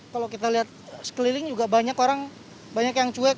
kalau kita lihat sekeliling juga banyak orang banyak yang cuek